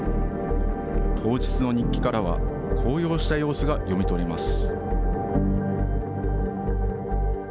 当日の日記からは、高揚した様子が読み取れます。